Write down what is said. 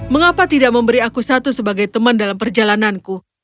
mengapa tidak memberi aku satu sebagai teman dalam perjalananku